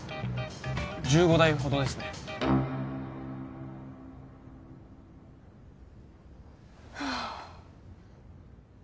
１５台ほどですねはあ